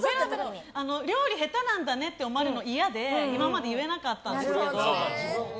料理下手なんだねって思われるのが嫌で今まで言えなかったんですけど。